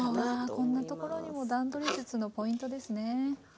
こんなところも段取り術のポイントですね。